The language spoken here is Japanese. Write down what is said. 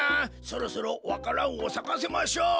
そろそろわか蘭をさかせましょう。